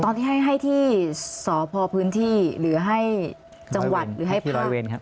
ตอนที่ให้ที่สอพอพื้นที่หรือให้จังหวัดหรือให้ภาพ